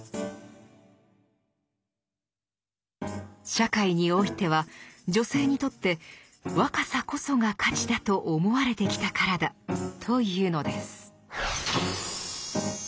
社会においては女性にとって若さこそが価値だと思われてきたからだというのです。